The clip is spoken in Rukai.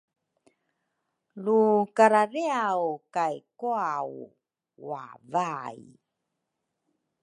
lu karariaw kay kwau wavai